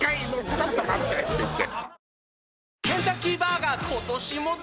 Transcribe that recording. ちょっと待ってって言って。